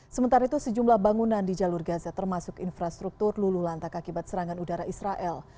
sementara itu sejumlah bangunan di jalur gaza termasuk infrastruktur luluh lantak akibat serangan udara israel